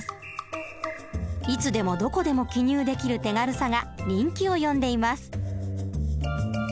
いつでもどこでも記入できる手軽さが人気を呼んでいます。